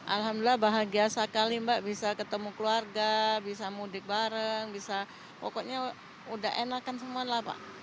alhamdulillah bahagia sekali mbak bisa ketemu keluarga bisa mudik bareng bisa pokoknya udah enakan semua lah pak